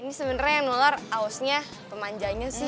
ini sebenarnya yang nular ausnya pemanjanya sih